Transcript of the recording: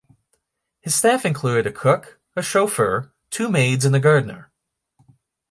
His staff included a cook, a chauffeur, two maids and a gardener.